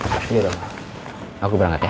ini dong aku berangkat ya